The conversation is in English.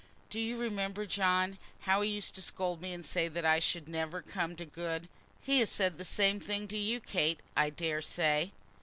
"Do you remember, John, how he used to scold me, and say that I should never come to good. He has said the same thing to you, Kate, I dare say?"